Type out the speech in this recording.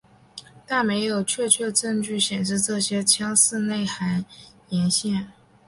但没有确切证据显示这些腔室内含盐腺。